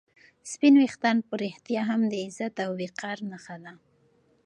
سپین ویښتان په رښتیا هم د عزت او وقار نښه ده.